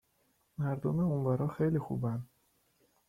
مردم اونورا خیلی خوبن